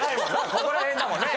ここら辺だもんね。